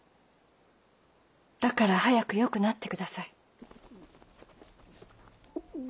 だから早くよくなって下さい。